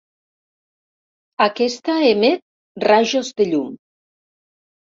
Aquesta emet rajos de llum.